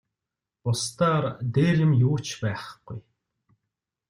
Бусдаар дээр юм юу ч байхгүй.